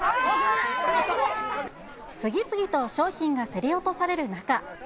次々と商品が競り落とされる中。